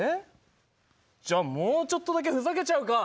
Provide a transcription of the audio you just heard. じゃあもうちょっとだけふざけちゃうか。